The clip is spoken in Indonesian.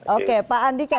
oke pak andika